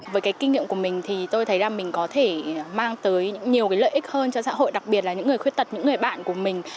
với cái kinh nghiệm của mình thì tôi thấy là mình có thể mang tới nhiều cái lợi ích hơn cho xã hội đặc biệt là những người khuyết tật những người bạn của mình